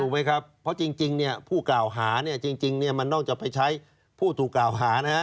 ถูกไหมครับเพราะจริงผู้กล่าวหาจริงมันต้องจะไปใช้ผู้ตัวกล่าวหานะ